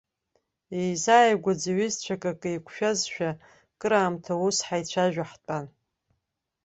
Еизааигәаӡаз ҩызцәақәак еиқәшәазшәа, кыраамҭа ус ҳаицәажәо ҳтәан.